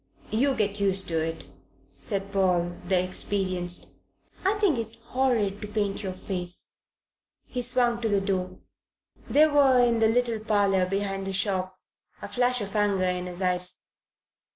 "You get used to it," said Paul, the experienced. "I think it horrid to paint your face." He swung to the door they were in the little parlour behind the shop a flash of anger in his eyes.